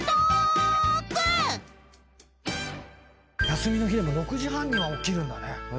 休みの日でも６時半には起きるんだね。